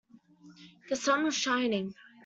The sun was shining